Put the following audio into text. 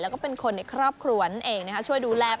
และเป็นคนในครอบครัวนั้นเอง